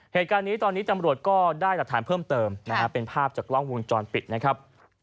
เหตุการณ์นี้ตอนนี้ตำรวจก็ได้หลักฐานเพิ่มเติมนะฮะเป็นภาพจากกล้องวงจรปิดนะครับ